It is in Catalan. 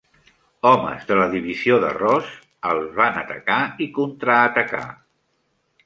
Homes de la divisió de Ross els van atacar i contraatacar.